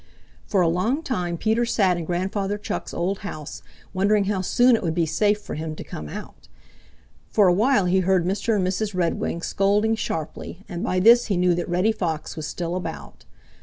For a long time Peter sat in Grandfather Chuck's old house, wondering how soon it would be safe for him to come out. For a while he heard Mr. and Mrs. Redwing scolding sharply, and by this he knew that Reddy Fox was still about.